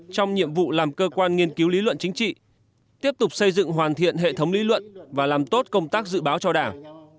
trong nhiệm vụ làm cơ quan nghiên cứu lý luận chính trị tiếp tục xây dựng hoàn thiện hệ thống lý luận và làm tốt công tác dự báo cho đảng